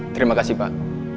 terima kasih pak